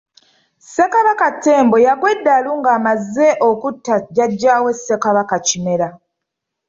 Ssekabaka Ttembo yagwa eddalu nga amaze okutta jjaja we Ssekabaka Kimera.